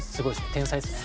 天才ですね。